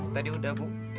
tadi udah bu